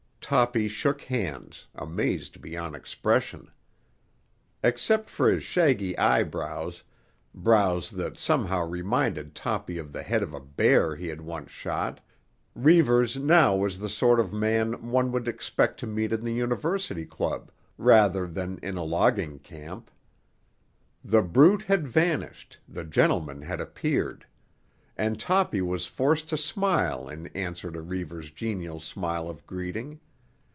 Toppy shook hands, amazed beyond expression. Except for his shaggy eyebrows—brows that somehow reminded Toppy of the head of a bear he had once shot—Reivers now was the sort of man one would expect to meet in the University Club rather than in a logging camp. The brute had vanished, the gentleman had appeared; and Toppy was forced to smile in answer to Reivers' genial smile of greeting.